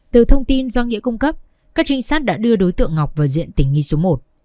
từ thông tin do nghĩa cung cấp các trinh sát đã đưa đối tượng ngọc vào diện tỉnh nghi số một